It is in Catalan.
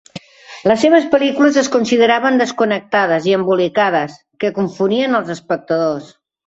Les seves pel·lícules es consideraven desconnectades i embolicades, que confonien els espectadors.